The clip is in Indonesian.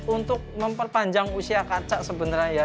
untuk memperpanjang usia kaca sebenarnya ya